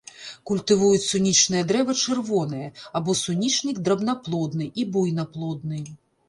Культывуюць сунічнае дрэва чырвонае, або сунічнік драбнаплодны, і буйнаплодны.